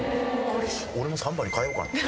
俺も３番に変えようかな。